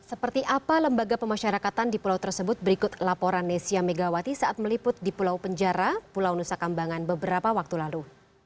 seperti apa lembaga pemasyarakatan di pulau tersebut berikut laporan nesya megawati saat meliput di pulau penjara pulau nusa kambangan beberapa waktu lalu